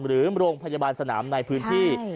หรือโรงพยาบาลสนามในพื้นที่